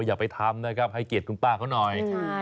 อย่าไปทำนะครับให้เกียรติคุณป้าเขาหน่อย